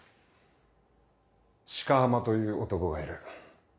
鹿浜という男がいる。